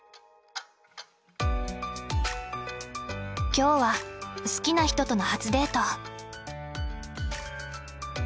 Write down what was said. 今日は好きな人との初デート。